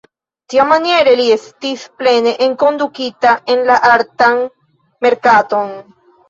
Tiamaniere li estis plene enkondukita en la artan merkaton.